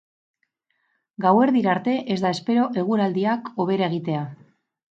Gauerdira arte ez da espero eguraldiak hobera egitea.